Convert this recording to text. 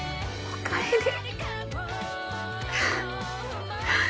おかえり。